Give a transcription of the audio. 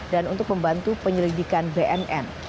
dan untuk membantu penyelidikan bnn